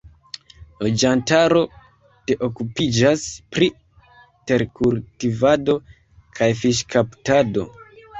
Loĝantaro de okupiĝas pri terkultivado kaj fiŝkaptado.